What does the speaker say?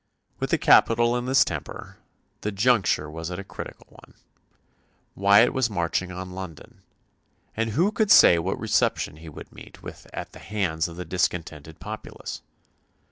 With the capital in this temper, the juncture was a critical one. Wyatt was marching on London, and who could say what reception he would meet with at the hands of the discontented populace?